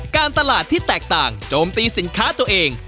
การตลาดที่แตกต่างโจมตีสินค้าตัวเอง